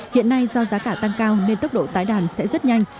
hiện nay do giá cả tăng cao nên tốc độ tái đàn sẽ rất nhanh